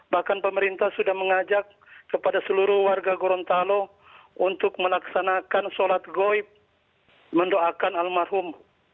bahkan pemerintah sudah mengajak kepada seluruh warga gorontalo untuk melaksanakan sholat goib mendoakan almarhum